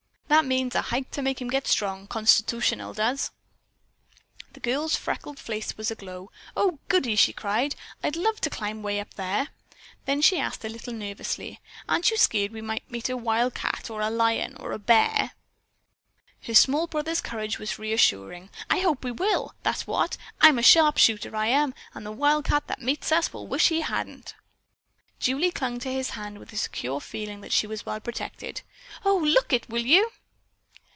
That means a hike to make him get strong, constitootional does." The girl's freckled face was aglow. "Oh, goodie!" she cried. "I'd love to climb 'way up there." Then she asked, a little anxiously: "Aren't you skeered we might meet a wildcat or a lion or a bear?" Her small brother's courage was reassuring. "I hope we will. That's what! I'm a sharpshooter, I am, and the wildcat that meets us will wish he hadn't." Julie clung to his hand with a secure feeling that she was well protected. "Oh, look it, will you?"